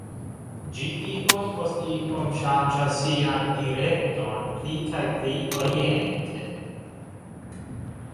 Ĝi iom post iom ŝanĝas sian direkton pli kaj pli orienten.